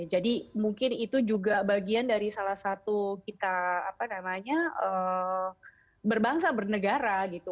jadi mungkin itu juga bagian dari salah satu kita berbangsa bernegara